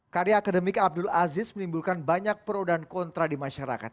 karya akademik abdul aziz menimbulkan banyak pro dan kontra di masyarakat